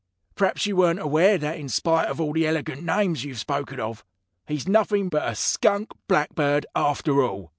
Perhaps you weren't aware that in spite of all the elegant names you've spoken of, he's nothing but a Skunk Blackbird after all!"